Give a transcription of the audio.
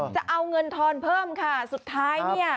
จะเอาเงินทอนเพิ่มค่ะสุดท้ายเนี่ย